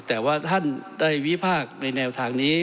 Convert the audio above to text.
แต่ว่าท่านได้วิพากษ์ในแนวทางนี้